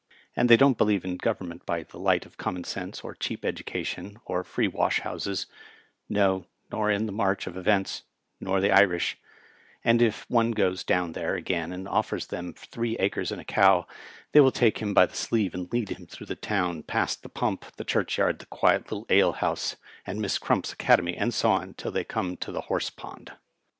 And they don't believe in government by the light of common senBe, or cheap education/ or free wash houscB ; no, nor in the march of events, nor the Irish : and if any one goes down there again and offers them three acres and a cow, they will take him by the sleeve and lead him through the town, past the pump, the churchyard, the quiet little ale house, and Miss Crump's Academy, and so on till they come to the horse pond.